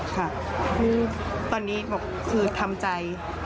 ค่ะตอนนี้คือทำใจ